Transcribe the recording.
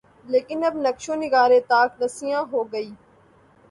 لیکن اب نقش و نگارِ طاق نسیاں ہو گئیں